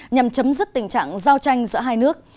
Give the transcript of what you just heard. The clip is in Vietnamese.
nhằm chấm dứt tình trạng giao tranh giữa hai nước